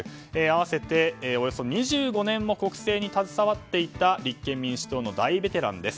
合わせておよそ２５年も国政に携わっていた立憲民主党の大ベテラン。